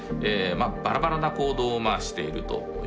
バラバラな行動をしているということですよね。